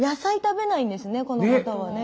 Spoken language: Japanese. この方はね。